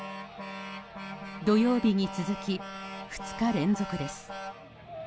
土曜日に続き２日連続です。